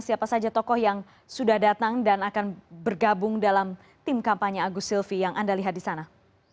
siapa saja tokoh yang sudah datang dan akan bergabung dalam tim kampanye agus silvi yang anda lihat di sana